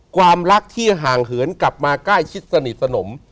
ความรักที่ห่างเหินกลับมาใกล้ชิดสนิทสนม